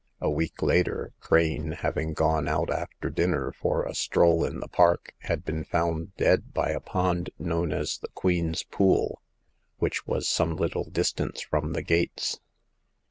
A week later. Crane, having gone out after dinner for a stroll in the park, had been found dead by a pond known as the Queen's Pool, which was some little distance from the gates.